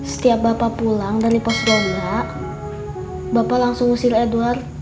setiap bapak pulang dari pos roda bapak langsung usil edward